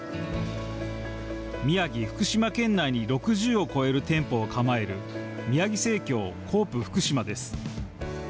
宮城、福島県内に６０を超える店舗を構えるみやぎ生協・コープふくしまです。